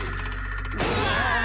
うわ！